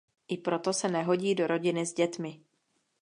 I proto se nehodí do rodiny s dětmi.